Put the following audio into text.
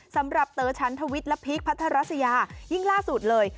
สำหรับเต๋อฉันทวิทย์และพีคพัทรัสยายิ่งล่าสุดเลย